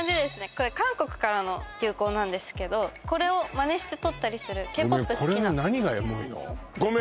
これ韓国からの流行なんですけどこれをマネして撮ったりするＫ−ＰＯＰ好きなごめん